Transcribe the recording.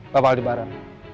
bapak aldi barang